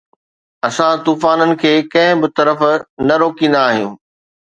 اسان طوفانن کي ڪنهن به طرف نه روڪيندا آهيون